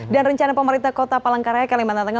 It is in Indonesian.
dan rencana pemerintah kota palangkaraya kalimantan tengah